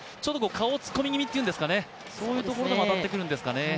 顔に突っ込み気味というんですかね、そういうところで当たってしまうんですかね。